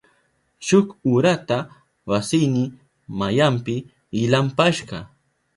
Shuk urata wasiyni mayanpi ilampashka.